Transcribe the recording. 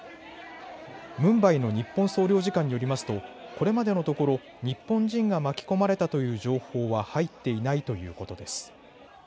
ムンバイの日本総領事館によりますとこれまでのところ日本人が巻き込まれたという情報は入っていないということです。